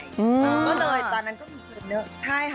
ตอนนั้นก็มีเทรนเนอร์ใช่ค่ะ